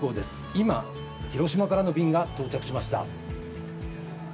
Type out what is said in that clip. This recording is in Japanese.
今、広島からの便が到着しました。